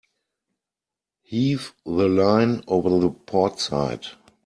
Heave the line over the port side.